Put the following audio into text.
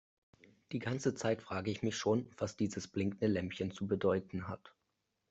Die ganze Zeit frage ich mich schon, was dieses blinkende Lämpchen zu bedeuten hat.